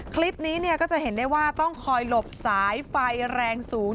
คลิปนี้ก็จะเห็นได้ว่าต้องคอยหลบสายไฟแรงสูง